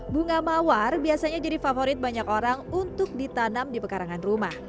bunga mawar biasanya jadi favorit banyak orang untuk ditanam di pekarangan rumah